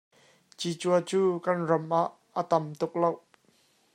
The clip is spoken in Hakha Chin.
Cicua cu kan ram ah a tam tuk lo.